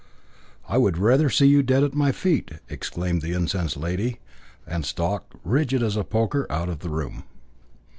"I would rather see you dead at my feet!" exclaimed the incensed lady, and stalked, rigid as a poker, out of the room.